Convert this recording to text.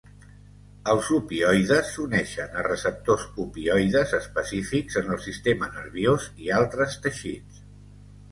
Els opioides s'uneixen a receptors opioides específics en el sistema nerviós i altres teixits.